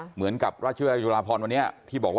เหมือนกับราชวิทยาลัยจุลาพรวันนี้